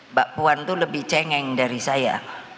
mbak puan itu lebih cengeng dari saya